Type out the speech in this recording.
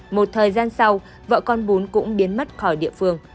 một thời gian sau vợ con bún cũng biến mất khỏi địa phương